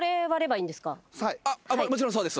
もちろんそうです。